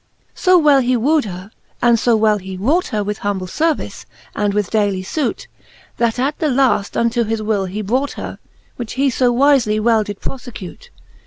XXXVIII. So well he woo'd her, and fo well he wrought her, With humble fervice, and with daily fute. That at the laft unto his will he brought her ; Which he fo wifely well did profecute.